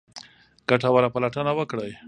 ګټوره پلټنه وکړئ.